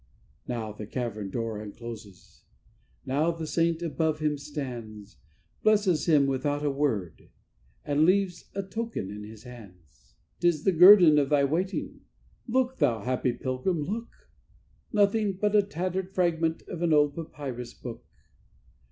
Now the cavern door uncloses, now the saint above him stands, Blesses him without a word, and leaves a token in his hands. 'Tis the guerdon of thy waiting! Look, thou happy pilgrim, look! Nothing but a tattered fragment of an old papyrus book.